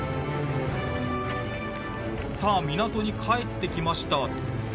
さあ港に帰ってきました。